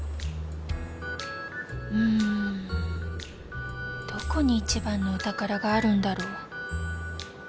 うんどこに一番のお宝があるんだろう。